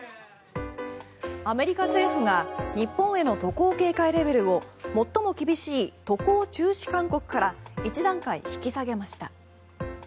アメリカ政府が日本への渡航警戒レベルを最も厳しい渡航中止勧告から１段階引き下げました。